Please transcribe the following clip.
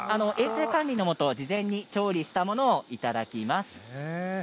衛生管理のもと、事前に調理したものをいただきます。